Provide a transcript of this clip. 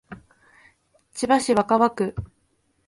千葉市若葉区